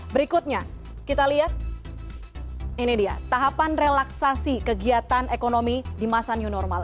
berikutnya kita lihat ini dia tahapan relaksasi kegiatan ekonomi di masa new normal